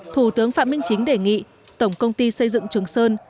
thủ tướng phạm minh chính đề nghị tổng công ty xây dựng trường sơn